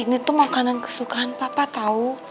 ini tuh makanan kesukaan papa tahu